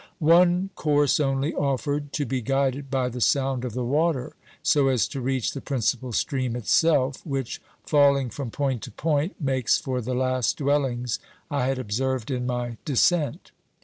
One course only offered, to be guided by the sound of the water so as to reach the principal stream itself, which, falling from point to point, makes for the last dwellings I had observed in my descent.